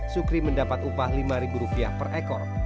sukri mendapat upah rp lima per ekor